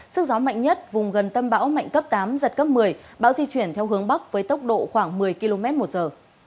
sức gió mạnh nhất vùng gần tâm bão mạnh cấp tám giật cấp một mươi bão di chuyển theo hướng bắc với tốc độ khoảng một mươi km một giờ